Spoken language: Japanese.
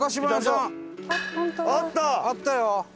あったよ！